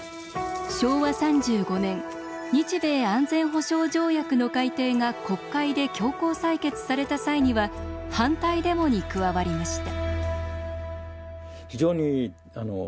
昭和３５年日米安全保障条約の改定が国会で強行採決された際には反対デモに加わりました。